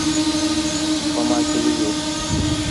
په ما کې لوی و.